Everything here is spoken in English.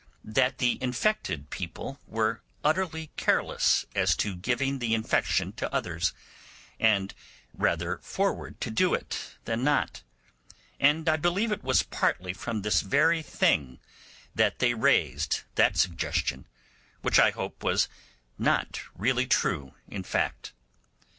that the infected people were utterly careless as to giving the infection to others, and rather forward to do it than not; and I believe it was partly from this very thing that they raised that suggestion, which I hope was not really true in fact.